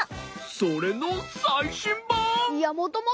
それのさいしんばん！